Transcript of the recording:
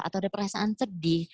atau ada perasaan sedih